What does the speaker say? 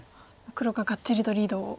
黒ががっちりとリードを。